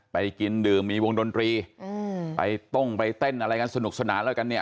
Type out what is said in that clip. ไปกินดื่มมีวงดนตรีไปต้งไปเต้นอะไรกันสนุกสนานแล้วกันเนี่ย